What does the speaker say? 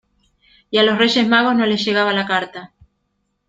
y a los Reyes Magos no les llegaba la carta.